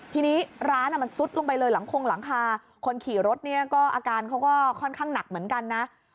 ทีนี้ร้านมันซุดลงไปเลยหลังคงหลังคาคนขี่รถเนี่ยก็อาการเขาก็ค่อนข้างหนักเหมือนกันนะ